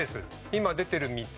今出てる３つ。